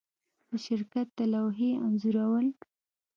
د شرکت د لوحې انځورول